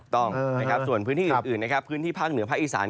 ต้องส่วนพื้นที่อื่นพื้นที่ภาคเหนือภาคอีสาน